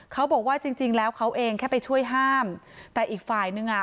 เขาบอกว่าจริงจริงแล้วเขาเองแค่ไปช่วยห้ามแต่อีกฝ่ายนึงอ่ะ